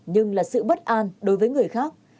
nhưng là sự bất an đối với người khác